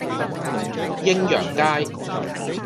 鷹揚街